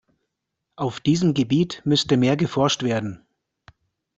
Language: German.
Auf diesem Gebiet müsste mehr geforscht werden.